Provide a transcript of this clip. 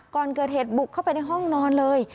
ก่อนเกิดเหตุบุกเข้าไปในห้องนอนเลย